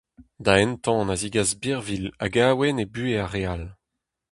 Da entan a zegas birvilh hag awen e buhez ar re all !